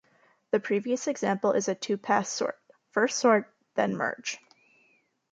The previous example is a two-pass sort: first sort, then merge.